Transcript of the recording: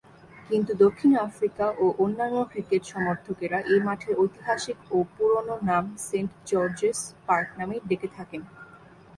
কিন্তু দক্ষিণ আফ্রিকা ও অন্যান্য ক্রিকেট সমর্থকেরা এ মাঠের ঐতিহাসিক ও পুরনো নাম সেন্ট জর্জেস পার্ক নামেই ডেকে থাকেন।